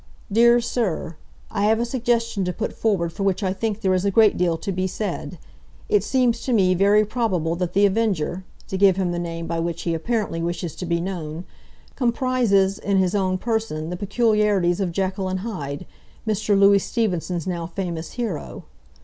"DEAR SIR—I have a suggestion to put forward for which I think there is a great deal to be said. It seems to me very probable that The Avenger—to give him the name by which he apparently wishes to be known—comprises in his own person the peculiarities of Jekyll and Hyde, Mr. Louis Stevenson's now famous hero.